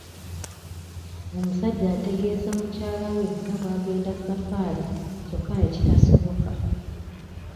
Omusajja yategeeza mukyala we nga bw'agenda saffaali kyokka ne kitasoboka.